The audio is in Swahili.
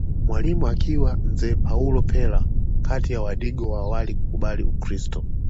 Mwalimu akiwa mzee Paul Pera kati ya wadigo wa awali kukubali Ukiristo